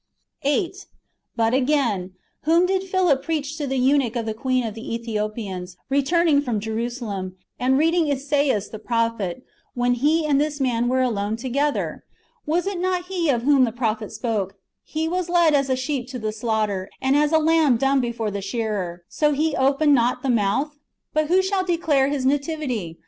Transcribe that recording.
8. But again : Whom did Philip preach to the eunuch of the queen of the Ethiopians, returning from Jerusalem, and reading Esaias the prophet, when he and this man were alone together ? Was it not He of whom the prophet spoke: '^ He was led as a sheep to the slaughter, and as a lamb dumb before the shearer, so He opened not the mouth?" "But who shall declare His nativity?